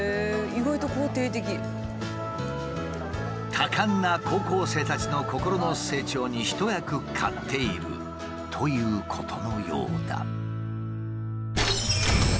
多感な高校生たちの心の成長に一役買っているということのようだ。